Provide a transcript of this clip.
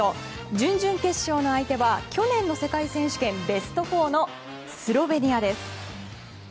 準々決勝の相手は去年の世界選手権ベスト４のスロベニアです。